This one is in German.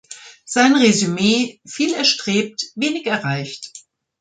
Sein Resümee: „Viel erstrebt, wenig erreicht.